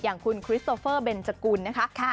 อย่างคุณคริสโตเฟอร์เบนจกุลนะคะ